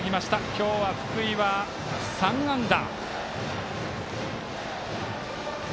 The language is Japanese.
今日は福井は３安打。